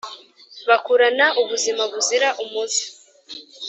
bakurana ubuzima buzira umuze